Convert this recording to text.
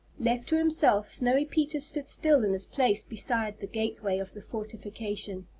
Left to himself, Snowy Peter stood still in his place beside the gateway of the fortification.